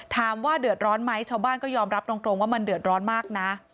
ถามว่าเดือดร้อนไหมชาวบ้านก็ยอมรับตรงว่ามันเดือดร้อนมากนะ